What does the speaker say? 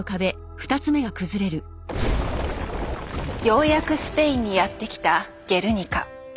ようやくスペインにやって来た「ゲルニカ」。